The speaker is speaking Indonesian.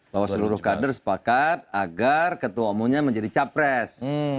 bahwa seluruh kader sepakat agar ketua umumnya menjadi capres